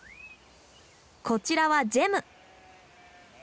こちらはジェム。